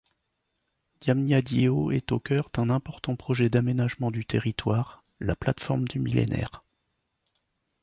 Diamniadio est au cœur d'un important projet d'aménagement du territoire, la Plateforme du Millénaire.